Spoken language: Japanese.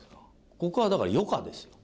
ここはだから余暇ですよ。